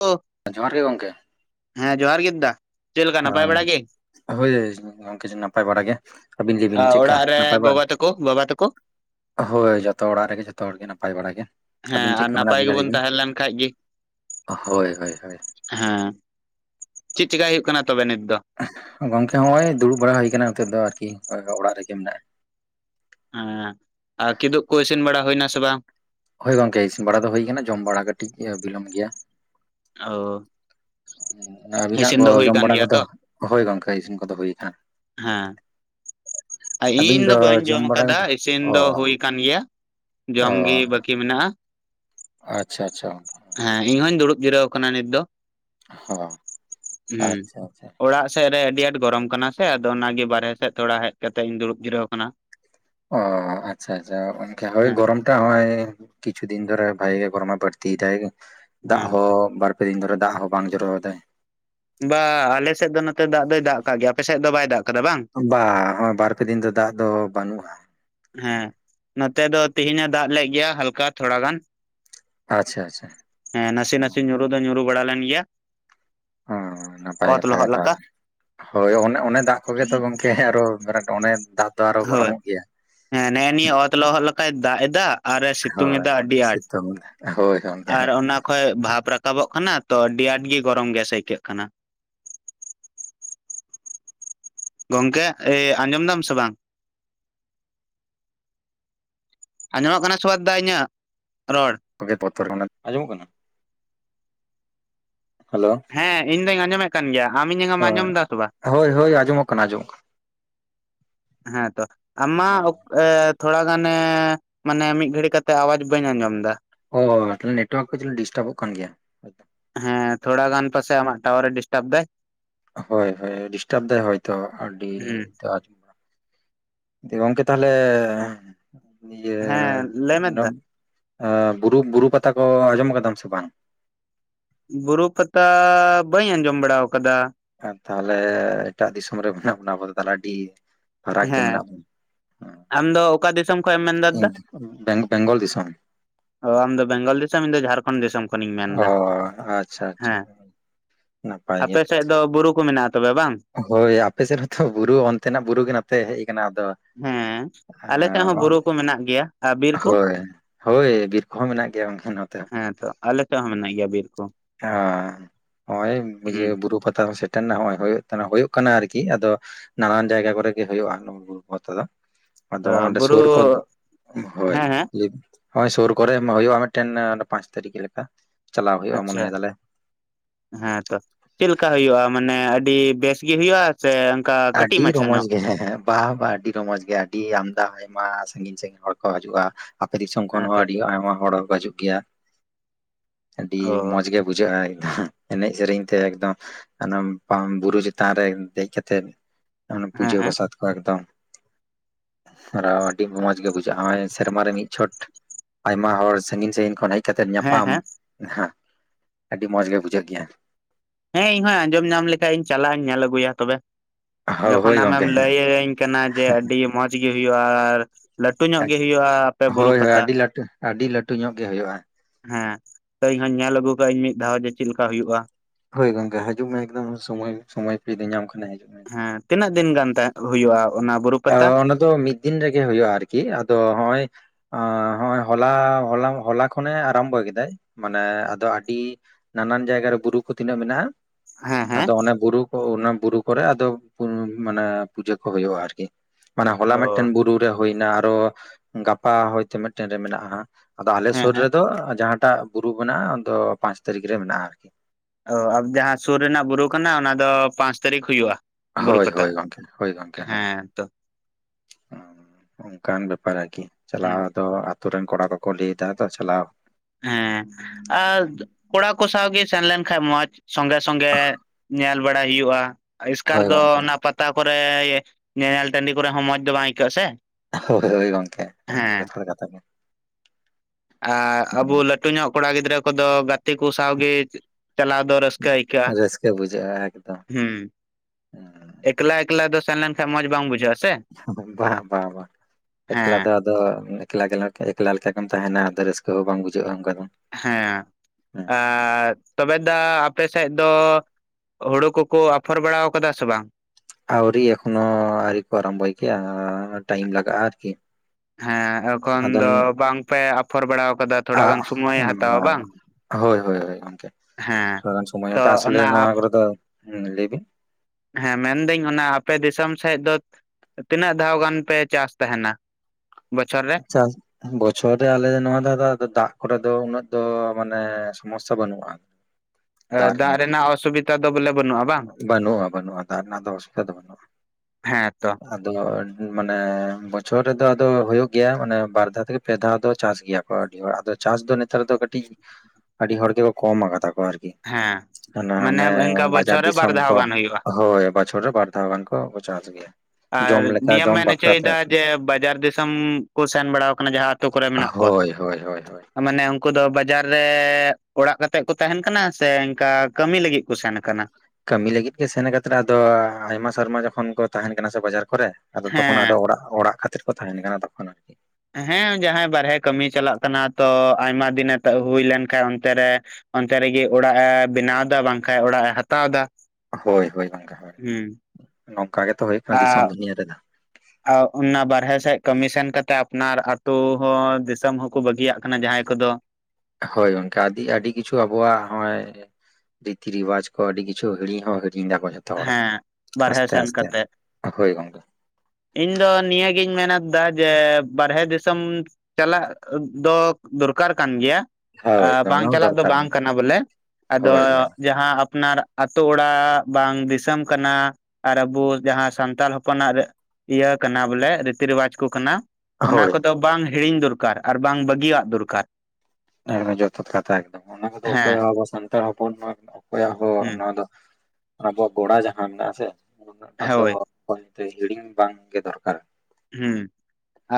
ᱚ ᱡᱚᱦᱟᱨ ᱜᱮ ᱜᱚᱢᱠᱮ᱾ ᱦᱮᱸ ᱡᱚᱦᱟᱨ ᱜᱮ ᱫᱟ᱾ᱪᱮᱫ ᱞᱮᱠᱟ ᱱᱟᱯᱟᱭ ᱵᱟᱲᱟ ᱜᱮ ᱦᱳᱭ ᱜᱚᱝᱠᱮ ᱱᱟᱯᱟᱭ ᱵᱟᱲᱟ ᱜᱮ ᱟᱹᱵᱤᱱ ᱞᱟᱹᱭ ᱵᱤᱱ ᱪᱮᱫ ᱞᱮᱠᱟ ᱱᱟᱯᱟᱭ ᱵᱟᱲᱟ ᱜᱚ ᱵᱟᱵᱟ ᱛᱟᱠᱚ ᱦᱳᱭ ᱡᱚᱛᱚ ᱚᱲᱟᱜ ᱨᱮᱜᱮ ᱡᱚᱛᱚ ᱦᱚᱲ ᱜᱮ ᱱᱟᱯᱟᱭ ᱵᱟᱲᱟ ᱜᱮ᱾ ᱦᱮᱸ ᱟᱹᱵᱤᱱ ᱪᱮᱫ ᱟᱨ ᱞᱮᱠᱟ ᱢᱮᱱᱟᱜ ᱱᱟᱯᱟᱭ ᱵᱤᱱᱟ ᱞᱟᱹᱭ ᱜᱮᱵᱚᱱ ᱵᱤᱱ ᱛᱟᱦᱮᱸ ᱞᱮᱱ ᱠᱷᱟᱡ ᱜᱮ ᱦᱳᱭ ᱦᱳᱭ ᱦᱮᱸ ᱪᱮᱫ ᱪᱮᱠᱟᱭ ᱦᱩᱭᱩᱜ ᱠᱟᱱᱟ ᱛᱚᱵᱮ ᱱᱤᱛ ᱫᱚ? ᱜᱚᱝᱠᱮ ᱦᱚᱸᱜ ᱚᱭ ᱫᱩᱲᱩᱵ ᱵᱟᱲᱟ ᱦᱩᱭ ᱠᱟᱱᱟ ᱱᱚᱛᱮ ᱫᱚ ᱟᱨᱠᱤ ᱚᱲᱟᱜ ᱨᱮᱜᱮ ᱢᱮᱱᱟᱜᱼᱟ ᱦᱮᱸ ᱟᱨ ᱠᱤᱫᱩᱜ ᱠᱚ ᱤᱥᱤᱱ ᱵᱟᱲᱟ ᱦᱩᱭᱱᱟ ᱥᱮ ᱵᱟᱝ? ᱦᱳᱭ ᱜᱚᱝᱠᱮ᱾ ᱤᱥᱤᱱ ᱵᱟᱲᱟ ᱫᱚ ᱦᱳᱭᱠ ᱡᱚᱢ ᱵᱟᱲᱟ ᱠᱟᱹᱴᱤᱡ ᱵᱤᱞᱚᱢ ᱜᱮᱭᱟ᱾ ᱚ ᱟᱹᱵᱤᱱᱟᱜ ᱤᱥᱤᱱ ᱠᱚ ᱫᱚ ᱦᱩᱭ ᱡᱚᱢ ᱠᱟᱱ ᱵᱟᱲᱟ ᱜᱮᱭᱟ ᱠᱚᱫᱚ᱾ ᱛᱚ ᱦᱳᱭ ᱜᱚᱝᱠᱮ ᱤᱥᱤᱱ ᱠᱚᱫᱚ ᱦᱩᱭ ᱟᱠᱟᱱᱟ ᱦᱮᱸ᱾ ᱤᱧ ᱫᱚ ᱵᱟᱹᱧ ᱡᱚᱢ ᱵᱟᱲᱟ ᱟᱠᱟᱫᱟ, ᱠᱟᱫᱟ ᱤᱥᱤᱱ ᱚ ᱫᱚ ᱦᱩᱭ ᱟᱠᱟᱱ ᱜᱮᱭᱟ᱾ ᱚ ᱡᱚᱢᱜᱤ ᱵᱟᱹᱠᱤ ᱢᱮᱱᱟᱜᱼᱟ ᱟᱪᱪᱷᱟ ᱟᱪᱪᱷᱟ ᱜᱚᱝᱠᱮ ᱦᱮᱸ ᱤᱧ ᱦᱚᱧ ᱫᱩᱲᱩᱵ ᱡᱤᱨᱟᱹᱣ ᱟᱠᱟᱱᱟ ᱱᱤᱛ ᱫᱚ᱾ᱦᱩᱸ ᱟᱪᱪᱷᱟ ᱟᱪᱪᱷᱟ ᱚᱲᱟᱜ ᱥᱮᱜ ᱨᱮ ᱟᱹᱰᱤ ᱟᱸᱴ ᱜᱚᱨᱚᱢ ᱠᱟᱱᱟ ᱥᱮ ᱟᱫᱚ ᱚᱱᱟᱜᱮ ᱵᱟᱨᱦᱮ ᱥᱮᱫ ᱛᱷᱚᱲᱟ ᱦᱮᱡ ᱠᱟᱛᱮ ᱤᱧ ᱫᱩᱲᱩᱵ ᱜᱤᱨᱟᱹᱣ ᱟᱠᱟᱱᱟ᱾ ᱚᱻ ᱟᱪᱪᱷᱟ ᱟᱪᱪᱷᱟ ᱚᱱᱠ ᱦᱳᱭ ᱦᱮᱸ ᱜᱚᱨᱚᱢ ᱠᱤᱪᱷᱩ ᱫᱤᱱ ᱫᱷᱚᱨ ᱵᱷᱟᱜᱮ ᱜᱚᱨᱚᱢ ᱵᱟᱹᱲᱛᱤ ᱫᱟᱭ, ᱫᱟᱜ ᱦᱮᱸ ᱦᱚᱸ ᱵᱟᱨ ᱠᱚᱫᱤᱱ ᱫᱷᱚᱨᱮ ᱫᱟᱜ ᱦᱚᱸ ᱵᱟᱝ ᱡᱚᱨᱚ ᱟᱫᱟᱭ ᱵᱟ ᱟᱞᱮᱥᱮᱫ ᱫᱚ ᱱᱚᱛᱮ ᱫᱟᱜ ᱫᱚᱭ ᱫᱟᱜ ᱠᱟᱜ ᱜᱮᱭᱟ᱾ ᱟᱯᱮᱥᱮᱫ ᱫᱚ ᱵᱟᱭ ᱫᱟᱜ ᱟᱠᱟᱫᱟ ᱵᱟᱝ? ᱵᱟ ᱦᱚᱸᱜ ᱵᱟᱨ ᱯᱮ ᱫᱤᱱ ᱫᱚ ᱫᱟᱜ ᱫᱚ ᱵᱟᱹᱱᱩᱜᱼᱟ ᱦᱮᱸ ᱱᱚᱛᱮ ᱫᱚ ᱛᱮᱦᱤᱧ ᱮ ᱫᱟᱜ ᱞᱮᱫ ᱜᱮᱭᱟ ᱦᱟᱞᱠᱟ ᱛᱷᱚᱲᱟ ᱜᱟᱱ ᱟᱪᱪᱷᱟ ᱟᱪᱪᱷᱟ ᱦᱮᱸ ᱱᱟᱥᱮ ᱚ ᱱᱟᱥᱮ ᱧᱩᱨᱩ ᱫᱚ ᱧᱩᱨᱩ ᱵᱟᱲᱟ ᱞᱮᱱ ᱜᱮᱭᱟ ᱚ ᱱᱟᱯᱟᱭ ᱚᱛ ᱠᱟᱛᱷᱟ ᱞᱚᱦᱚᱫ ᱜᱮ ᱞᱮᱠᱟ ᱛᱟᱦᱚᱞᱮ ᱦᱳᱭ ᱚᱱᱮ ᱚᱱᱮ ᱫᱟᱜ ᱠᱚᱜᱮ ᱛᱚ ᱜᱚᱝᱠᱮ ᱟᱨᱚ ᱚᱱᱮ ᱫᱟᱜ ᱫᱚ ᱟᱨᱚ ᱦᱳᱭ ᱜᱚᱨᱚᱢᱚᱜ ᱜᱮᱭᱟ᱾ ᱦᱮᱸ ᱱᱮᱜ ᱮ ᱱᱤᱭᱟᱹ ᱚᱛ ᱞᱚᱦᱚᱫ ᱞᱮᱠᱟᱭ ᱫᱟᱜ ᱮᱫᱟ ᱟᱨᱮ ᱥᱤᱛᱩᱝ ᱦᱳᱭ ᱮᱫᱟ ᱟᱹᱰᱤ ᱟᱸᱴ ᱥᱤᱛᱩᱝ ᱦᱳᱭ ᱦᱳᱭ ᱜᱚᱝᱠᱮ ᱟᱨ ᱦᱳᱭ ᱚᱱᱟ ᱠᱚᱭ ᱵᱷᱟᱵᱽ ᱨᱟᱠᱟᱵ ᱛᱟᱵᱚᱜ ᱠᱟᱱᱟ ᱛᱚ᱾ ᱟᱹᱰᱤ ᱟᱸᱴ ᱜᱮ ᱜᱚᱨᱚᱢ ᱜᱮᱥ ᱟᱹᱭᱠᱟᱹᱜ ᱠᱟᱱᱟ᱾ ᱜᱚᱝᱠᱮ ᱮ ᱟᱸᱡᱚᱢ ᱫᱟᱢ ᱥᱮ ᱵᱟᱝ ᱟᱸᱡᱚᱢᱚᱜ ᱠᱟᱱᱟ ᱥᱮ ᱵᱟᱝ ᱫᱟ ᱤᱧᱟᱹᱜ ᱨᱚᱲ [unintelligible] ᱟᱸᱡᱚᱢ ᱠᱟᱱᱟ᱾ ᱦᱮᱞᱳ ᱦᱮᱸ ᱤᱧ ᱫᱚᱧ ᱟᱸᱚᱢᱮᱫ ᱠᱟᱱ ᱜᱮᱭᱟ ᱟᱢᱤ ᱤᱧᱟᱝ ᱟᱢ ᱦᱳᱭ ᱟᱸᱡᱚᱢ ᱫᱟ ᱥᱮ ᱵᱟᱝ ᱦᱳᱭ ᱦᱳᱭ ᱟᱸᱡᱚᱢᱚᱜ ᱠᱟᱱᱟ ᱟᱸᱡᱚᱢᱚᱜ ᱠᱟᱱᱟ ᱦᱮᱸ ᱛᱚ ᱠᱟᱱᱟ ᱟᱢᱟᱜ ᱛᱷᱚᱲᱟᱜᱟᱱᱮ ᱢᱟᱱᱮ ᱢᱤᱫ ᱜᱷᱟᱹᱲᱤ ᱠᱟᱛᱮᱜ ᱟᱣᱟᱡ ᱵᱟᱹᱧ ᱟᱸᱡᱚᱢ ᱮᱫᱟ ᱚᱻ ᱛᱟᱦᱚᱞᱮ ᱱᱮᱴᱚᱣᱟᱨᱠ ᱠᱚ ᱡᱟᱹᱱᱤᱡ ᱰᱤᱥᱴᱟᱵᱚᱜ ᱠᱟᱱ ᱜᱮᱭᱟ᱾ ᱦᱮᱸ ᱛᱷᱚᱲᱟ ᱜᱟᱱ ᱯᱟᱥᱮ ᱟᱢᱟᱜ ᱴᱟᱣᱟᱨ ᱮ ᱰᱤᱥᱴᱟᱯ ᱫᱟᱭ ᱦᱳᱭ ᱦᱳᱭ ᱰᱤᱥᱴᱟᱯ ᱫᱟᱭ ᱦᱚᱭᱛᱚ ᱟᱹᱰᱤ ᱦᱩᱸ [unintelligible] ᱜᱚᱢᱠᱮ ᱛᱟᱦᱞᱮ ᱤᱭᱟᱹ ᱦᱮᱸ ᱞᱟᱹᱭ ᱢᱮ ᱫᱟ ᱵᱩᱨᱩ ᱵᱩᱨᱩ ᱯᱟᱛᱟ ᱠᱚ ᱟᱸᱡᱚᱢ ᱟᱠᱟᱫᱟᱢ ᱥᱮ ᱵᱟᱝ ᱵᱩᱨᱩ ᱯᱟᱛᱟ ᱵᱟᱹᱧ ᱟᱸᱡᱚᱢ ᱵᱟᱲᱟ ᱟᱠᱟᱫᱟ ᱛᱟᱦᱚᱞᱮ ᱮᱴᱟᱜ ᱫᱤᱥᱚᱢ ᱨᱮ ᱢᱮᱱᱟᱜ ᱵᱚᱱᱟ ᱟᱵᱚ ᱫᱚ ᱛᱟᱦᱚᱞᱮ ᱟᱹᱰᱤ ᱯᱷᱟᱨᱟᱠ ᱜᱮ ᱢᱮᱱᱟᱜ ᱵᱚᱱᱟ ᱟᱢ ᱫᱚ ᱚᱠᱟ ᱫᱤᱥᱚᱢ ᱠᱷᱚᱭᱮᱢ ᱢᱮᱱ ᱤᱧ ᱫᱟᱫᱟ ᱵᱮᱝ ᱵᱮᱝᱜᱚᱞ ᱫᱤᱥᱚᱢ ᱚ ᱟᱢ ᱫᱚ ᱵᱮᱝᱜᱚᱞ ᱫᱤᱥᱚᱢ ᱤᱧ ᱫᱚ ᱡᱷᱟᱲᱠᱷᱚᱸᱰ ᱫᱤᱥᱚᱢ ᱠᱷᱚᱱᱤᱧ ᱚ ᱢᱮᱱᱫᱟ ᱟᱪᱪᱷᱟ ᱟᱪᱪᱷᱟ ᱦᱮᱸ ᱱᱟᱯᱟᱭ ᱜᱮ ᱟᱯᱮ ᱥᱮᱫ ᱫᱚ ᱵᱩᱨᱩ ᱠᱚ ᱢᱮᱱᱟᱜᱼᱟ ᱛᱚᱵᱮ ᱵᱟᱝ ᱦᱳᱭ ᱟᱯᱮ ᱥᱮᱫ ᱦᱚᱸ ᱛᱚ ᱵᱩᱨᱩ ᱚᱱᱛᱮᱱᱟᱜ ᱵᱩᱨᱩ ᱜᱮ ᱱᱚᱛᱮ ᱦᱮᱡ ᱟᱠᱟᱱᱟ ᱟᱫᱚ ᱦᱮᱸ ᱟᱞᱮ ᱥᱮᱫ ᱦᱚᱸ ᱵᱩᱨᱩ ᱠᱚ ᱢᱮᱱᱟᱜ ᱜᱮᱭᱟ ᱟᱨ ᱵᱤᱨ ᱠᱚ ᱦᱳᱭ, ᱦᱳᱭ ᱵᱤᱨ ᱠᱚᱦᱚᱸ ᱢᱮᱱᱟᱜ ᱜᱮᱭᱟ ᱢᱮᱱᱠᱷᱟᱱ ᱱᱚᱛᱮ ᱦᱚᱸ ᱦᱮᱸ ᱛᱚ ᱟᱞᱮ ᱥᱮᱫ ᱦᱚᱸ ᱢᱮᱱᱟᱜ ᱜᱮᱭᱟ ᱵᱤᱨ ᱠᱚ ᱦ ᱱᱚᱜᱼᱚᱭ ᱤᱭᱟᱹ ᱦᱩᱸ ᱵᱩᱨᱩ ᱯᱟᱛᱟ ᱥᱮ- -ᱴᱮᱨᱱᱟ ᱦᱩᱭᱩᱜ ᱠᱟᱱᱟ ᱟᱨᱠᱤ ᱟᱫᱚ ᱱᱟᱱᱟᱱ ᱡᱟᱭᱜᱟ ᱠᱚᱨᱮ ᱜᱮ ᱦᱩᱭᱩᱜᱼᱟ ᱵᱩᱨᱩ ᱯᱟᱛᱟ ᱫᱚ ᱟᱫᱚ ᱚᱸᱰᱮ ᱵᱩᱨᱩ ᱥᱩᱨ ᱠᱚ ᱦᱳᱭ ᱦᱮᱸ ᱦᱮᱸ ᱦᱳᱭ ᱥᱩᱨ ᱠᱚᱨᱮ ᱦᱩᱭᱩᱜᱼᱟ ᱢᱤᱫᱴᱮᱱ ᱯᱟᱸᱪ ᱛᱟ. ᱨᱤᱠ ᱞᱮᱠᱟ ᱪᱟᱞᱟᱣ ᱦᱩᱭᱩᱜᱼᱟ ᱟᱪᱪᱷᱟ ᱢᱚᱱᱮᱭᱮᱫᱟᱞᱮ ᱦᱮᱸᱛᱚ ᱪᱮᱫ ᱞᱮᱠᱟ ᱦᱩᱭᱩᱜᱼᱟ ᱢᱟᱱᱮ ᱟᱹᱰᱤ ᱵᱮᱥ ᱜᱮ ᱦᱩᱭᱩᱜᱼᱟ ᱥᱮ ᱚᱱᱠᱟ ᱠᱟᱹᱴᱤᱡ ᱟᱹᱰᱤ ᱢᱟᱪᱷᱟ ᱨᱚᱢᱚᱡᱽ ᱧᱚᱜ ᱜᱮ ᱦᱮᱸ ᱦᱮᱸ ᱵᱟ ᱵᱟᱝ ᱟᱹᱰᱤ ᱨᱚᱢᱚᱡᱽ ᱜᱮᱭᱟ ᱟᱹᱰᱤ ᱟᱢᱫᱟ ᱟᱭᱢᱟ ᱥᱟ. ᱜᱤᱧ ᱥᱟ. ᱜᱤᱧ ᱦᱚᱲ ᱠᱚ ᱦᱤᱡᱩᱜᱼᱟ ᱟᱯᱮ ᱫᱤᱥᱚᱢ ᱠᱷᱚᱱ ᱦᱮᱸ ᱦᱚᱸ ᱛᱚ ᱟᱹᱰᱤ ᱟᱭᱢᱟ ᱦᱚᱲ ᱦᱚᱸ ᱠᱚ ᱦᱤᱡᱩᱜ ᱜᱮᱭᱟ ᱟᱹᱰᱤ ᱚ ᱢᱚᱡᱽ ᱜᱮ ᱵᱩᱡᱷᱟᱹᱜᱼᱟ ᱮᱱᱮᱡ ᱥᱮᱨᱮᱧ ᱛᱮ ᱮᱠᱫᱚᱢ ᱵᱩᱨᱩ ᱪᱮᱛᱟᱱ ᱨᱮ ᱫᱮᱡ ᱠᱟᱛᱮᱫ ᱚᱱᱮ ᱦᱮᱸ ᱯᱩᱡᱟᱹ ᱦᱮᱸ ᱵᱟᱥᱟᱛ ᱠᱚ ᱮᱠᱫᱚᱢ [unintelligible] ᱟᱹᱰᱤ ᱢᱚᱸᱡᱽ ᱜᱮ ᱵᱩᱡᱷᱟᱹᱜᱼᱟ ᱱᱚᱼᱚᱭ ᱥᱮᱨᱢᱟ ᱨᱮ ᱢᱤᱫ ᱪᱷᱚᱴ ᱟᱭᱢᱟ ᱦᱚᱲ ᱥᱟ. ᱜᱤᱧ ᱥᱟ. ᱜᱤᱧ ᱠᱷᱚᱱ ᱦᱮᱡ ᱠᱟᱛᱮᱜ ᱦᱮᱸ ᱧᱟᱯᱟᱢ ᱦᱮᱸ ᱟᱹᱰᱤ ᱢᱚᱸᱡᱽ ᱜᱮ ᱵᱩᱡᱷᱟᱹᱜ ᱜᱮᱭᱟ ᱦᱮᱸ ᱤᱧᱦᱚᱸ ᱟᱸᱡᱚᱢ ᱧᱟᱢ ᱞᱮᱠᱷᱟᱤᱧ ᱪᱟᱞᱟᱜ ᱤᱧ ᱧᱮᱞ ᱟᱜᱩᱭᱟ ᱛᱚᱵᱮ ᱜᱮᱭᱟ ᱡᱚᱠᱷᱚᱱ ᱦᱳᱭ ᱟᱢᱮᱢ ᱜᱚᱝᱠᱮ ᱞᱟᱹᱭᱟᱹᱧ ᱠᱟᱱᱟ ᱡᱮ ᱟᱹᱰᱤ ᱢᱚᱸᱡᱽ ᱜᱮ ᱦᱩᱭᱩᱜᱼᱟ ᱟᱨ ᱞᱟᱹᱴᱩ ᱧᱚᱜ ᱜᱮ ᱦᱩᱭᱩᱜᱼᱟ ᱟᱯᱮ ᱵᱩᱨᱩ ᱦᱳᱭ ᱦᱳᱭ ᱯᱟᱛᱟ ᱟᱹᱰᱤ ᱞᱟᱹᱴᱩ ᱟᱹᱰᱤ ᱞᱟᱹᱴᱩ ᱧᱚᱜ ᱜᱮ ᱦᱩᱭᱩᱜᱼᱟ ᱦᱮᱸ ᱛᱚ ᱤᱧᱦᱚᱧ ᱧᱮᱞ ᱟᱹᱜᱩ ᱠᱟᱜ ᱟ. ᱧ ᱢᱤᱫ ᱫᱷᱟᱣ ᱡᱮ ᱪᱮᱫᱞᱮᱠᱟ ᱦᱩᱭᱩᱜᱼᱟ ᱦᱳᱭ ᱜᱚᱝᱠᱮ ᱦᱤᱡᱩᱜ ᱢᱮ ᱮᱠᱫᱚᱢ ᱥᱚᱢᱚᱭ ᱥᱚᱢᱚᱭ ᱥᱚᱢᱚᱭ ᱠᱚ ᱡᱩᱫᱤ ᱧᱟᱢ ᱠᱷᱟᱱᱮ ᱦᱤᱡᱩᱜ ᱢᱮ ᱦᱮᱸ ᱛᱤᱱᱟᱹᱜ ᱫᱤᱱ ᱜᱟᱱ ᱛᱟᱦᱮᱸ ᱦᱩᱭᱩᱜᱼᱟ ᱚᱱᱟ ᱵᱩᱨᱩ ᱯᱟᱛᱟ ᱚᱱᱟ ᱫᱚ ᱢᱤᱫ ᱫᱤᱱ ᱨᱮᱜᱮ ᱦᱩᱭᱩᱜᱼᱟ ᱟᱨᱠᱤ ᱟᱫᱚ ᱱᱚᱼᱚᱭ ᱟᱻ ᱱᱚ-ᱚᱭ ᱦᱚᱞᱟ ᱦᱚᱞᱟ ᱦᱚᱞᱟ ᱠᱷᱚᱱᱮ ᱟᱨᱟᱢᱵᱚ ᱠᱮᱫᱟᱭ ᱢᱟᱱᱮ ᱟᱫᱚ ᱟᱹᱰᱤ ᱱᱟᱱᱟᱱ ᱡᱟᱭᱜᱟ ᱨᱮ ᱵᱩᱨᱩ ᱠᱚ ᱛᱤᱱᱟᱹᱜ ᱢᱮᱱᱟᱜᱼᱟ ᱦᱮᱸ ᱦᱮᱸ ᱟᱫᱚ ᱚᱱᱮ ᱵᱩᱨᱩ ᱠᱚ ᱚᱱᱟ ᱵᱩᱨᱩ ᱠᱚᱨᱮ ᱟᱫᱚ ᱢᱟᱱᱮ ᱯᱩᱡᱟᱹ ᱠᱚ ᱦᱩᱭᱩᱜᱼᱟ ᱟᱨᱠᱤ ᱢᱟᱱᱮ ᱦᱚᱞᱟ ᱢᱤᱫᱴᱮᱱ ᱚ ᱵᱩᱨᱩ ᱨᱮ ᱦᱩᱭᱱᱟ ᱟᱨᱚ ᱜᱟᱯᱟ ᱦᱚᱭᱛᱚ ᱢᱤᱫᱴᱮᱱ ᱨᱮ ᱢᱮᱱᱟᱜᱼᱟ ᱦᱟᱸᱜ ᱟᱫᱚ ᱟᱞᱮ ᱦᱮᱸ ᱥᱩᱨ ᱦᱮᱸ ᱨᱮᱫᱚ ᱡᱟᱦᱟᱸᱴᱟᱜ ᱵᱩᱨᱩ ᱢᱮᱱᱟᱜᱼᱟ ᱟᱫᱚ ᱯᱟᱸᱪ ᱛᱟᱹᱨᱤᱠᱷ ᱨᱮ ᱢᱮᱱᱟᱜᱼᱟ ᱟᱨᱠᱤ [unintelligible] ᱡᱟᱦᱟᱸ ᱥᱩᱨ ᱨᱮᱱᱟᱜ ᱵᱩᱨᱩ ᱠᱟᱱᱟ ᱚᱱᱟ ᱫᱚ ᱯᱟᱸᱪ ᱛᱟᱹᱨᱤᱠᱷ ᱦᱩᱭᱩᱜᱼᱟ ᱵᱩᱨᱩ ᱦᱳᱭ ᱯᱟᱛᱟ ᱦᱳᱭ ᱜᱚᱢᱠᱮ ᱦᱳᱭ ᱜᱚᱢᱠᱮ ᱦᱮᱸ ᱚᱱᱠᱟᱱ ᱵᱮᱯᱟᱨ ᱟᱨᱠᱤ ᱦᱩᱸ ᱪᱟᱞᱟᱣ ᱫᱚ ᱟᱛᱩ ᱨᱮᱱ ᱠᱚᱲᱟ ᱠᱚᱠᱚ ᱞᱟᱹᱭᱮᱫᱟ ᱫᱚ ᱪᱟᱞᱟᱣ ᱦᱮᱸ ᱟᱨ ᱠᱚᱲᱟ ᱠᱚ ᱥᱟᱶᱜᱮ ᱥᱮᱱ ᱞᱮᱱ ᱠᱷᱟᱱ ᱜᱮ ᱢᱚᱸᱡᱽ ᱥᱚᱸᱜᱮ ᱥᱚᱝᱜᱮ ᱧᱮᱞ ᱵᱟᱲᱟᱭ ᱦᱩᱭᱩᱜᱼᱟ ᱮᱥᱠᱟᱨ ᱦᱳᱭ ᱫᱚ ᱜᱚᱝᱠᱮ ᱚᱱᱟ ᱯᱟᱛᱟ ᱠᱚᱨᱮ, ᱧᱮᱧᱮᱞ ᱴᱟᱺᱰᱤ ᱠᱚᱨᱮ ᱦᱚᱸ ᱢᱚᱸᱡᱽ ᱫᱚ ᱵᱟᱝ ᱟᱹᱭᱠᱟᱹᱜᱼᱟ, ᱥᱮ ᱦᱳᱭ ᱦᱳᱭ ᱜᱚᱢᱠᱮ ᱟ. ᱰᱤ ᱡᱚᱛᱷᱟᱛ ᱦᱮᱸ ᱠᱟᱛᱷᱟ ᱠᱟᱱᱟ᱾ ᱟᱨ ᱟᱵᱚ ᱞᱟᱹᱴᱩ ᱧᱚᱜ ᱠᱚᱲᱟ ᱜᱤᱫᱽᱨᱟᱹ ᱠᱚᱫᱚ ᱜᱟᱛᱮ ᱠᱚ ᱥᱟᱶᱜᱮ ᱪᱟᱞᱟᱣ ᱫᱚ ᱨᱟᱹᱥᱠᱟᱹ ᱟᱹᱭᱠᱟᱹᱜᱼᱟ, ᱨᱟᱹᱥᱠᱟᱹ ᱵᱩᱡᱷᱟᱹᱜᱼᱟ ᱮᱠᱫᱚᱢ ᱦᱩᱸ [inaudible] ᱮᱠᱞᱟ ᱮᱠᱞᱟ ᱫᱚ ᱥᱮᱱ ᱞᱮᱱᱠᱟᱱ ᱢᱚᱸᱡᱽ ᱵᱟᱝ ᱵᱩᱡᱷᱟᱹᱜᱼᱟ ᱥᱮ [unintelligible] ᱵᱟᱸ ᱵᱟᱸ ᱵᱟ ᱮᱠᱞᱟ ᱦᱮᱸ ᱫᱚ ᱟᱫᱚ ᱮᱠᱞᱟ [inaudible] ᱮᱠᱞᱟ ᱞᱮᱠᱟ ᱜᱮᱢ ᱛᱟᱦᱮᱱᱟ ᱟᱫᱚ ᱨᱟᱹᱥᱠᱟᱹ ᱦᱚᱸ ᱵᱟᱝ ᱵᱩᱡᱷᱟᱹᱜᱼᱟ ᱚᱱᱠᱟ ᱫᱚ ᱦᱮᱸ ᱦᱮᱸ ᱟᱨ ᱛᱚᱵᱮ ᱫᱟ ᱟᱯᱮ ᱥᱮᱫ ᱫᱚ ᱦᱩᱲᱩ ᱠᱚᱠᱚ ᱟᱯᱷᱚᱨ ᱵᱟᱲᱟᱣ ᱠᱟᱫᱟ ᱥᱮ ᱵᱟᱝ? ᱟᱹᱣᱨᱤ ᱮᱠᱷᱚᱱᱳ ᱟᱣᱨᱤ ᱠᱚ ᱟᱨᱟᱢᱵᱷᱚ ᱜᱮᱭᱟ ᱴᱟᱭᱢ ᱞᱟᱜᱟᱜᱼᱟ ᱟᱨᱠᱤ ᱦᱮᱸ ᱮᱠᱷᱚᱱ ᱟᱫᱚ ᱫᱚ ᱵᱟᱝ ᱯᱮ ᱟᱯᱷᱚᱨ ᱵᱟᱲᱟ ᱠᱟᱫᱟ, ᱛᱷᱚᱲᱟ ᱜᱟᱱ ᱥᱚᱢᱚᱭᱮ ᱦᱟᱛᱟᱣᱟ ᱵᱟᱝ? ᱦᱳᱭᱻᱦᱳᱭᱻᱦᱳᱭ ᱜᱚᱢᱠᱮ, ᱦᱮᱸ ᱛᱷᱚᱲᱟ ᱜᱟᱱ ᱥᱚᱢᱚᱭᱮ ᱛᱚ ᱦᱟᱛᱟᱣᱼᱟ, ᱟᱥᱚᱞᱮ ᱚᱱᱟ ᱱᱚᱣᱟ ᱠᱚᱨᱮ ᱫᱚ, ᱞᱟᱹᱭ ᱵᱤᱱ? ᱦᱮᱸ ᱢᱮᱱᱫᱟᱹᱧ ᱚᱱᱟ ᱟᱯᱮ ᱫᱤᱥᱚᱢ ᱥᱮᱫ ᱫᱚ ᱛᱤᱱᱟᱹᱜ ᱫᱷᱟᱣ ᱜᱟᱱ ᱯᱮ ᱪᱟᱥ ᱛᱟᱦᱮᱸᱱᱟ? ᱵᱚᱪᱷᱚᱨ ᱨᱮ ᱪᱟᱥ ᱵᱚᱪᱷᱚᱨ ᱨᱮ ᱟᱞᱮ ᱫᱚ ᱱᱚᱣᱟ ᱫᱷᱟᱨᱮ ᱫᱚ ᱫᱟᱜ ᱠᱚᱨᱮ ᱫᱚ ᱩᱱᱟᱹᱜ ᱫᱚ ᱢᱟᱱᱮ ᱥᱚᱢᱚᱥᱥᱟ ᱵᱟᱹᱱᱩᱜᱼᱟ ᱾ [inaudible] ᱮ ᱫᱟᱜ ᱨᱮᱱᱟᱜ ᱚᱥᱩᱵᱤᱛᱟ ᱫᱚ ᱵᱚᱞᱮ ᱵᱟᱱᱩᱜᱼᱟ ᱵᱟᱝ? ᱵᱟᱹᱱᱩᱜᱼᱟ ᱵᱟᱹᱱᱩᱜᱼᱟ ᱫᱟᱜ ᱨᱮᱱᱟᱜ ᱫᱚ ᱚᱥᱩᱵᱤᱫᱷᱟ ᱫᱚ ᱵᱟᱹᱱᱩᱜᱼᱟ ᱦᱮᱸ ᱛᱚ᱾ ᱟᱫᱚ ᱢᱟᱱᱮ ᱵᱚᱪᱷᱚᱨ ᱨᱮᱫᱚ ᱟᱫᱚ ᱦᱳᱭᱳᱜ ᱜᱮᱭᱟ ᱚᱱᱮ ᱵᱟᱨ ᱫᱷᱟᱣ ᱛᱷᱮᱠᱮ ᱯᱮ ᱫᱷᱟᱣ ᱫᱚ ᱪᱟᱥ ᱜᱮᱭᱟ ᱠᱚ, ᱟᱹᱰᱤ ᱦᱚᱲ ᱟᱫᱚ ᱪᱟᱥ ᱫᱚ ᱱᱮᱛᱟᱨ ᱫᱚ ᱠᱟᱹᱴᱤᱡ ᱟᱹᱰᱤ ᱦᱚᱲ ᱜᱮᱠᱚ ᱠᱚᱢ ᱠᱟᱫᱟ ᱠᱚ ᱟᱨᱠᱤ ᱦᱮᱸ ᱚᱱᱟ ᱢᱟᱱᱮ ᱚᱱᱮ ᱤᱱᱠᱟ ᱵᱟᱡᱟᱨ ᱵᱚᱪᱷᱚᱨ ᱨᱮ ᱵᱟᱨ ᱫᱤᱥᱚᱢ ᱫᱷᱟᱣ ᱠᱚ ᱜᱟᱱ ᱦᱩᱭᱩᱜᱼᱟ ᱦᱳᱭ ᱵᱚᱪᱷᱚᱨ ᱨᱮ ᱵᱟᱨ ᱫᱷᱟᱣ ᱜᱟᱱ ᱠᱚ ᱪᱟᱥ ᱜᱮᱭᱟ᱾ ᱟᱨ ᱡᱚᱢ ᱞᱮᱠᱟ ᱱᱤᱭᱟᱹᱢ ᱡᱚᱢ ᱢᱮᱱ ᱵᱟᱠᱷᱨᱟ ᱛᱮ ᱦᱚᱪᱚᱭᱫᱟ ᱟᱨᱠᱤ ᱡᱮ, ᱵᱟᱡᱟᱨ ᱫᱤᱥᱚᱢ ᱠᱚ ᱥᱮᱱ ᱵᱟᱲᱟ ᱠᱟᱱᱟ, ᱡᱟᱦᱟᱸ ᱟᱛᱳ ᱠᱚᱨᱮ ᱢᱮᱱᱟᱜ ᱠᱚᱣᱟ ᱦᱳᱭ ᱦᱳᱭ ᱦᱳᱭ ᱦᱳᱭ ᱢᱟᱱᱮ ᱩᱱᱠᱩ ᱫᱚ ᱵᱟᱡᱟᱨ ᱨᱮ, ᱚᱲᱟᱜ ᱠᱟᱛᱮᱜ ᱠᱚ ᱛᱟᱦᱮᱱ ᱠᱟᱱᱟ ᱥᱮ, ᱚᱱᱠᱟ ᱠᱟᱹᱢᱤ ᱞᱟᱹᱜᱤᱫ ᱠᱚ ᱥᱮᱱ ᱠᱟᱱᱟ? ᱠᱟᱹᱢᱤ ᱞᱟᱹᱜᱤᱫ ᱜᱮ ᱥᱮᱱ ᱠᱟᱛᱮ ᱟᱫᱚ, ᱟᱭᱢᱟ ᱥᱮᱨᱢᱟ ᱡᱚᱠᱷᱚᱱ ᱠᱚ ᱛᱟᱦᱮᱸᱱ ᱠᱟᱱᱟ, ᱥᱮ ᱵᱟᱡᱟᱨ ᱠᱚᱨᱮ ᱟᱫᱚ ᱛᱚᱠᱷᱚᱱ ᱦᱮᱸ ᱟᱫᱚ ᱚᱲᱟᱜ, ᱚᱲᱟᱜ ᱠᱷᱟᱹᱛᱤᱨ ᱠᱚ ᱛᱟᱦᱮᱸᱱ ᱠᱟᱱᱟ ᱛᱚᱠᱷᱚᱱ ᱟᱨᱠᱤ ᱦᱮᱸ ᱡᱟᱦᱟᱸᱭ ᱵᱟᱨᱦᱮ ᱠᱟᱹᱢᱤ ᱪᱟᱞᱟᱜ ᱠᱟᱱᱟ, ᱛᱚ ᱟᱭᱢᱟ ᱫᱤᱱᱮ ᱦᱩᱭ ᱞᱮᱱᱠᱷᱟᱱ ᱚᱱᱛᱮᱨᱮ ᱚᱱᱛᱮ ᱨᱮᱜᱮ ᱚᱲᱟᱜ ᱮ ᱵᱮᱱᱟᱣ ᱫᱟ ᱵᱟᱝᱠᱷᱟᱱ ᱚᱲᱟᱜ ᱮ ᱦᱟᱛᱟᱣ ᱫᱟ᱾ ᱦᱳᱭ ᱦᱳᱭ ᱜᱚᱝᱠᱮ, ᱦᱳᱭ ᱦᱩᱸ ᱱᱚᱝᱠᱟ ᱜᱮᱛᱚ ᱦᱩᱭᱩᱜ ᱠᱟᱱᱟ ᱫᱤᱥᱚᱢ ᱫᱩᱱᱭᱟᱹ ᱨᱮᱫᱚ ᱚᱸ ᱚᱱᱟ ᱵᱟᱨᱦᱮ ᱥᱮᱜ ᱠᱟᱹᱢᱤ ᱥᱮᱱ ᱠᱟᱛᱮᱜ ᱟᱯᱱᱟᱨ ᱟᱛᱳ ᱦᱚᱸ, ᱫᱤᱥᱚᱢ ᱦᱚᱸᱠᱚ ᱵᱟᱹᱜᱤᱭᱟᱜ ᱠᱟᱱᱟ᱾ ᱠᱟᱱᱟ, ᱡᱟᱦᱟᱸᱭ ᱠᱚᱫᱚ ᱦᱳᱭ ᱜᱚᱝᱠᱮ ᱟᱹᱰᱤ ᱟᱹᱰᱤ ᱠᱤᱪᱷᱩ ᱟᱵᱚᱣᱟᱜ ᱦᱚᱜᱼᱚᱭ ᱨᱤᱛᱤ ᱨᱮᱣᱟᱡᱽ ᱠᱚ ᱟᱹᱰᱤ ᱠᱤᱪᱷᱩ ᱦᱤᱲᱤᱧ ᱦᱚᱸ ᱦᱤᱲᱤᱧ ᱫᱟᱠᱚ ᱡᱷᱚᱛᱚ ᱦᱚᱲ ᱦᱮᱸ ᱵᱟᱨᱦᱮ ᱟᱥᱛᱮ ᱥᱮᱱ ᱟᱥᱛᱮ, ᱠᱟᱛᱮᱜ ᱦᱳᱭ ᱜᱚᱝᱠᱮ ᱤᱧ ᱫᱚ ᱱᱤᱭᱟᱹᱜᱤᱧ ᱢᱮᱱᱮᱫᱟ ᱡᱮ ᱵᱟᱨᱦᱮ ᱫᱤᱥᱚᱢ ᱪᱟᱞᱟᱜ ᱫᱚ ᱫᱚᱨᱠᱟᱨ ᱠᱟᱱ ᱜᱮᱭᱟ ᱦᱳᱭ ᱾ ᱚᱱᱟ ᱵᱟᱝ ᱦᱚᱸ ᱪᱟᱞᱟᱜ ᱫᱚ ᱫᱚᱨᱠᱟᱨ ᱵᱟᱝ ᱜᱮ ᱠᱟᱱᱟ ᱵᱚᱞᱮ ᱟᱫᱚ ᱦᱳᱭ ᱡᱟᱸᱦᱟᱸ ᱟᱯᱱᱟᱨ ᱟᱛᱳ ᱚᱲᱟᱜ ᱵᱟᱝ ᱫᱤᱥᱚᱢ ᱠᱟᱱᱟ, ᱟᱨ ᱟᱵᱚ ᱡᱟᱦᱟᱸ ᱥᱟᱱᱛᱟᱲ ᱦᱚᱯᱚᱱᱟᱜ ᱤᱭᱟᱹ ᱠᱟᱱᱟ ᱵᱚᱞᱮ ᱨᱤᱛᱤ ᱨᱮᱣᱟᱡᱽ ᱠᱚ ᱠᱟᱱᱟ᱾ ᱚᱱᱟ ᱦᱳᱭ ᱠᱚᱫᱚ ᱵᱟᱝ ᱦᱤᱲᱤᱧ ᱫᱚᱨᱠᱟᱨ ᱟᱨ ᱵᱟᱝ ᱵᱟᱹᱜᱤᱭᱟᱜ ᱫᱚᱨᱠᱟᱨ᱾ ᱮᱠᱫᱚᱢ ᱡᱚᱛᱷᱟᱛ ᱠᱟᱛᱷᱟ ᱮᱠᱫᱚᱢ᱾ ᱚᱱᱟ ᱠᱚᱫᱚ ᱦᱮᱸ ᱚᱠᱚᱭᱟᱜ ᱦᱚᱸ ᱟᱵᱚ ᱥᱟᱱᱛᱟᱲ ᱦᱚᱯᱚᱱ ᱚᱠᱚᱭᱟᱜ ᱦᱚᱸ ᱦᱩᱸ ᱱᱚᱣᱟ ᱫᱚ ᱟᱵᱚᱣᱟᱜ ᱜᱚᱲᱟ ᱡᱟᱦᱟᱸ ᱢᱮᱱᱟᱜ ᱟᱥᱮ, ᱚᱱᱟᱴᱟᱜ ᱫᱚ ᱦᱳᱭ ᱦᱤᱲᱤᱧ ᱵᱟᱝᱜᱮ ᱫᱚᱨᱠᱟᱨᱟ᱾ ᱦᱩᱸ